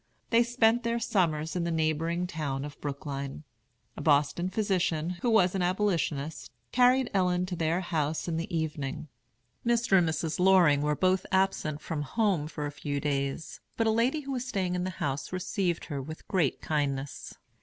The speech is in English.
They spent their summers in the neighboring town of Brookline. A Boston physician, who was an Abolitionist, carried Ellen to their house in the evening. Mr. and Mrs. Loring were both absent from home for a few days, but a lady who was staying in the house received her with great kindness.